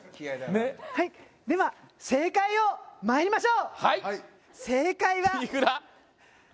ねっはいでは正解をまいりましょうはい正解はいくら？